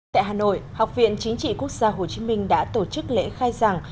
tại hà nội học viện chính trị quốc gia hồ chí minh đã tổ chức lễ khai giảng